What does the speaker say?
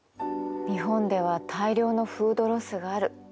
日本では大量のフードロスがある。